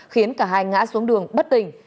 khiến cả hai ngã xuống đường bất tình